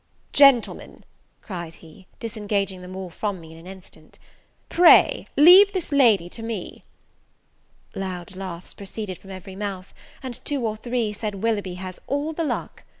"Gentlemen," cried he, disengaging them all from me in an instant, "pray leave this lady to me." Loud laughs proceeded from every mouth, and two or three said Willoughby has all the luck!